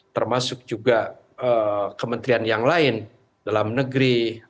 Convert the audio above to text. termasuk juga kementerian yang lain dalam negeri